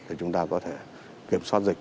để chúng ta có thể kiểm soát dịch